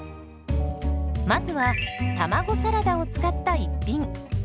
まずは卵サラダを使った一品。